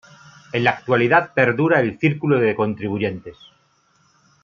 En la actualidad perdura el Círculo de Contribuyentes.